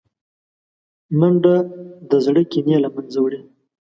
منډه د زړه کینې له منځه وړي